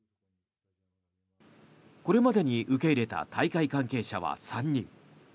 これまでに受け入れた大会関係者は３人。